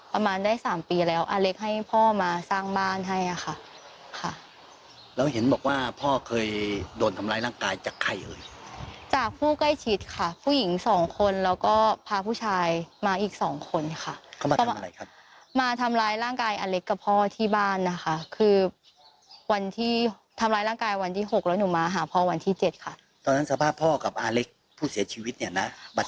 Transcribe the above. เพราะฉะนั้นสภาพพ่อกับอาเล็กผู้เสียชีวิตเนี่ยนะบาดเจ็บขนาดไหน